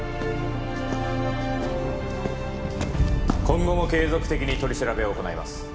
今後も継続的に取り調べを行います